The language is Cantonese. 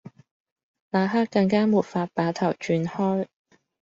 那刻更加沒法把頭轉開